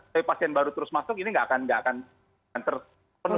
tapi pasien baru terus masuk ini tidak akan terpenuh